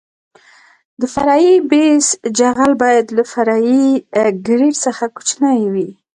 د فرعي بیس جغل باید له فرعي ګریډ څخه کوچنی وي